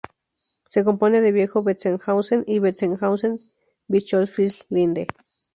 Se compone de Viejo-Betzenhausen y de Betzenhausen-Bischofslinde.